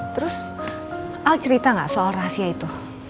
terus al cerita gak soal rahasia itu